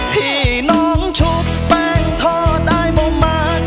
พี่น้องชุบแป้งทอดอ้ายบอกมาก